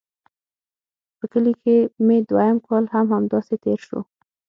په کلي کښې مې دويم کال هم همداسې تېر سو.